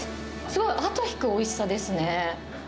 すごいあと引くおいしさです